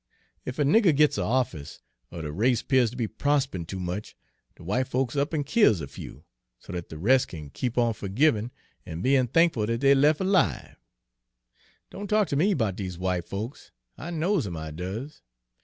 If a nigger gits a' office, er de race 'pears ter be prosperin' too much, de w'ite folks up an' kills a few, so dat de res' kin keep on fergivin' an' bein' thankful dat dey're lef alive. Don' talk ter me 'bout dese w'ite folks, I knows 'em, I does!